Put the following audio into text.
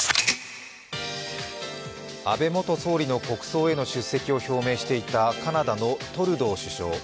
安倍元総理の国葬への出席を表明していたカナダのトルドー首相。